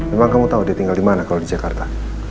emang kamu tau dia tinggal dimana kalau di jakarta